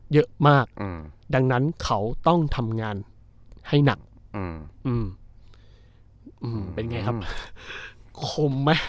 เยอะมากอืมดังนั้นเขาต้องทำงานให้หนักอืมอืมเป็นไงครับคมไหม